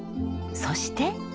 そして。